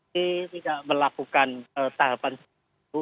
kita melakukan tahapan selesai